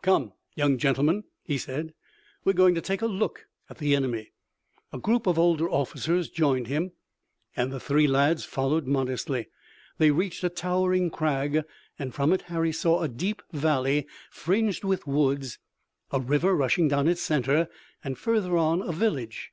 "Come, young gentlemen," he said, "we're going to take a look at the enemy." A group of older officers joined him, and the three lads followed modestly. They reached a towering crag and from it Harry saw a deep valley fringed with woods, a river rushing down its center and further on a village.